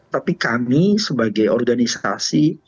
tapi kami sebagai organisasi